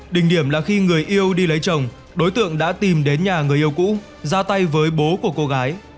đỉnh điểm là khi người yêu đi lấy chồng đối tượng đã tìm đến nhà người yêu cũ ra tay với bố của cô gái